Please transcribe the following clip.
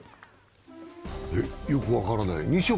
よく分からない。